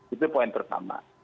itu poin pertama